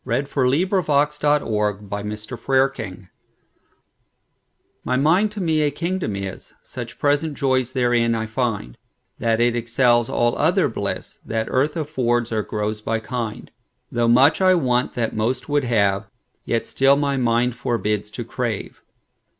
My Mind to Me a Kingdom Is MY mind to me a kingdom is; Such present joys therein I find, That it excels all other blissThat earth affords or grows by kind:Though much I want that most would have, Yet still my mind forbids to crave.